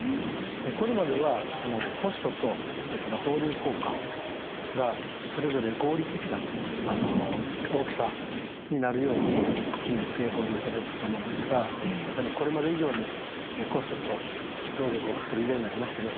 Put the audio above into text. これまではコストとそれから放流効果がそれぞれ合理的な大きさになるように決めて放流されてたもんですがやはりこれまで以上にコストと労力をかける時代になりましたね。